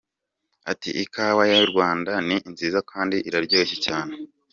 Ati “Ikawa y’u Rwanda ni nziza kandi iraryoshye cyane.